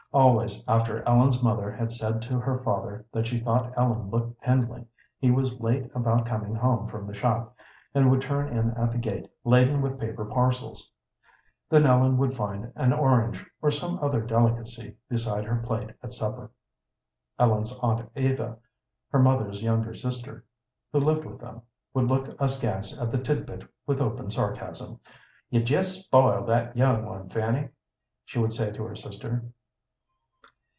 Always after Ellen's mother had said to her father that she thought Ellen looked pindling he was late about coming home from the shop, and would turn in at the gate laden with paper parcels. Then Ellen would find an orange or some other delicacy beside her plate at supper. Ellen's aunt Eva, her mother's younger sister, who lived with them, would look askance at the tidbit with open sarcasm. "You jest spoil that young one, Fanny," she would say to her sister.